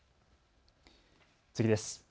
次です。